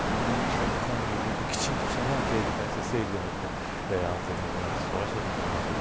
かなりきちんとした警備体制や整理で安全に行われてすばらしたかったと思います。